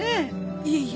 いえいえ